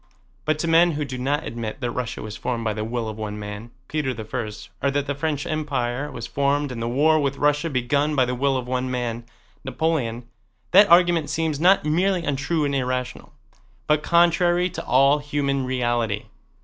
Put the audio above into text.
But to men who do not admit that Russia was formed by the will of one man, Peter I, or that the French Empire was formed and the war with Russia begun by the will of one man, Napoleon, that argument seems not merely untrue and irrational, but contrary to all human reality.